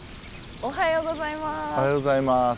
おはようございます。